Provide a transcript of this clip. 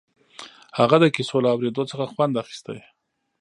هغه د کيسو له اورېدو څخه خوند اخيست.